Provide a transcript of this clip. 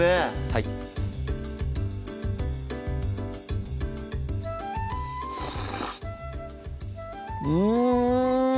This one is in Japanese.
はいうん！